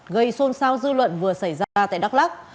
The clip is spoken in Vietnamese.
gây xôn xao dư luận vừa xảy ra tại đắk lắc